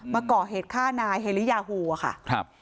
มาก่อเหตุฆ่านายเฮลียาฮูอะค่ะครับ